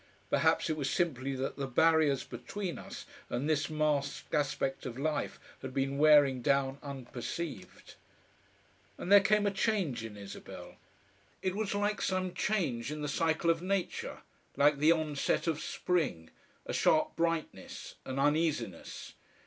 Perhaps it was simply that the barriers between us and this masked aspect of life had been wearing down unperceived. And there came a change in Isabel. It was like some change in the cycle of nature, like the onset of spring a sharp brightness, an uneasiness.